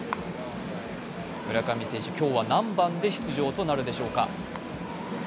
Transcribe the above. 村上選手、今日は何番で出場となるんでしょうか。